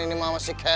ini mah masih kemo